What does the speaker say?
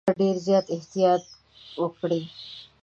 بنده ډېر زیات احتیاط وکړي.